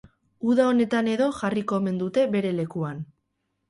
Uda honetan edo jarriko omen dute bere lekuan.